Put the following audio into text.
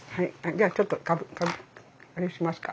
じゃあちょっとあれしますか。